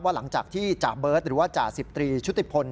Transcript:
หลังจากที่จ่าเบิร์ตหรือว่าจ่าสิบตรีชุติพล